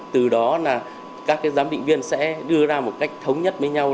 từ đó là các giám định viên sẽ đưa ra một cách thống nhất với nhau